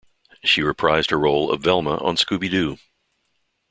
She reprised her role of Velma on Scooby-Doo!